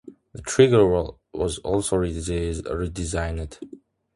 The trigger was also redesigned.